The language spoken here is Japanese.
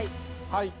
はい。